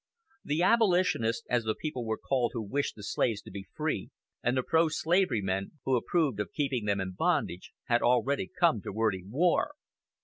The "abolitionists," as the people were called who wished the slaves to be free, and the "pro slavery" men, who approved of keeping them in bondage, had already come to wordy war.